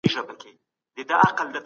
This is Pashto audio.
کابینه د تابعیت قانون نه سختوي.